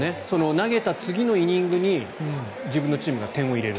投げた次のイニングに自分のチームが点を入れる。